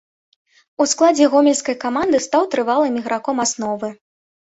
У складзе гомельскай каманды стаў трывалым іграком асновы.